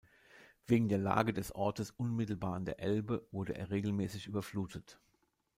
Wegen der Lage des Ortes unmittelbar an der Elbe wurde er regelmäßig überflutet.